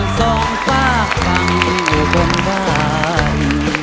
สองฟ้ากลังอยู่ตรงบ้าน